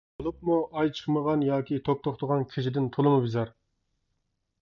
بولۇپمۇ ئاي چىقمىغان ياكى توك توختىغان كېچىدىن تولىمۇ بىزار.